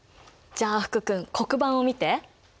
じゃあ福君黒板を見て。